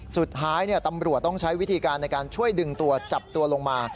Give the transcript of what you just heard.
สุดท้ายตำรวจต้องใช้วิธีการในการช่วยดึงตัวจับตัวลงมา